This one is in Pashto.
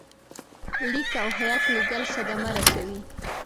لیک او هیات لېږل صدمه رسوي.